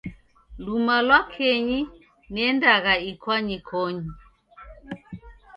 Luma lwa kenyi, niendagha ikwanyikonyi.